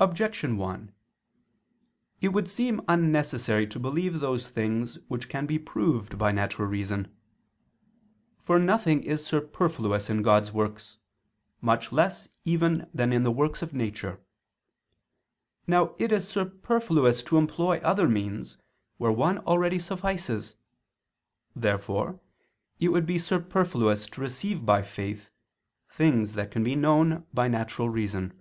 Objection 1: It would seem unnecessary to believe those things which can be proved by natural reason. For nothing is superfluous in God's works, much less even than in the works of nature. Now it is superfluous to employ other means, where one already suffices. Therefore it would be superfluous to receive by faith, things that can be known by natural reason.